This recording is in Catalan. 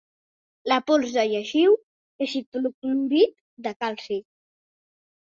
La pols de lleixiu és hipoclorit de calci.